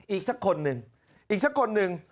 อีกสักคนหนึ่งอีกสักคนหนึ่ง